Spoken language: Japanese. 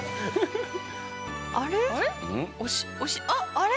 あれ？